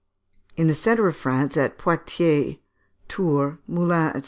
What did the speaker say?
In the centre of France, at Poictiers, Tours, Moulin, &c.